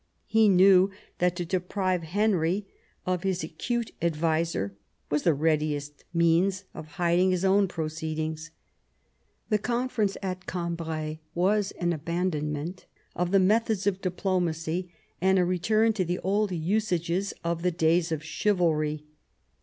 He knew that to deprive Henry of his N 178 THOMAS WOLSEY char acute adviser was the readiest means of hiding his own proceedings. The conference at Cambrai was an aban donment of the methods of diplomacy and a return to the old usages of the days of chivalry.